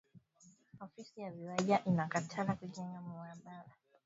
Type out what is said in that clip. Ofisi ya viwanja ina katala ku jenga mu ma balala